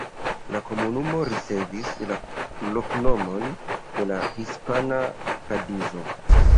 La komunumo ricevis la loknomon de la hispana Kadizo.